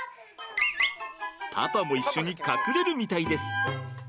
パパも一緒に隠れるみたいです。